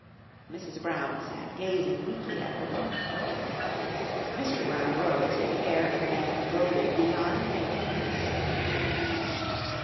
Mrs. Brown sat gazing weakly at her daughter. Mr. Brown rose with the air of a man goaded beyond endurance.